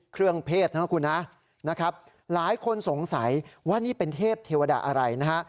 เครื่องเพศนะครับคุณฮะนะครับหลายคนสงสัยว่านี่เป็นเทพเทวดาอะไรนะฮะ